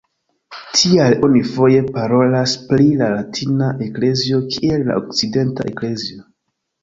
Tial oni foje parolas pri la latina eklezio kiel "la okcidenta eklezio".